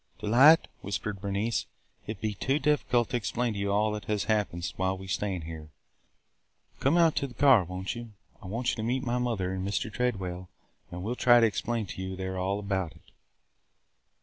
"Delight," whispered Bernice, "it would be difficult to explain to you all that has happened while we stand here. Come out to the car, won't you? I want you to meet my mother and Mr. Tredwell and we 'll try to explain to you there all about it."